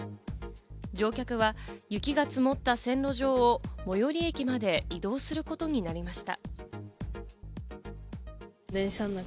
乗客は雪が積もった線路上を最寄り駅まで移動することになりました。